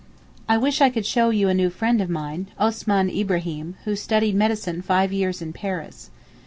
I wish I could show you a new friend of mine, Osman Ibraheem, who studied medicine five years in Paris.